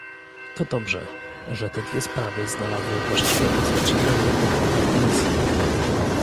To dobrze, że te dwie sprawy znalazły właściwe odzwierciedlenie w dokumentach Komisji